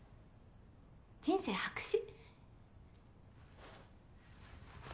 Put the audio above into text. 人生白紙？